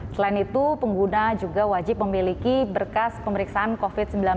selain itu pengguna juga wajib memiliki berkas pemeriksaan covid sembilan belas